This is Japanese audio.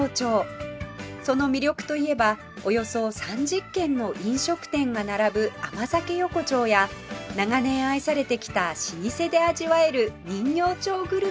その魅力といえばおよそ３０軒の飲食店が並ぶ甘酒横丁や長年愛されてきた老舗で味わえる人形町グルメです